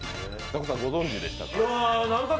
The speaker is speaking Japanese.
ザコシさんご存じでしたか？